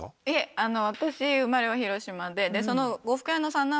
いえ私生まれは広島で。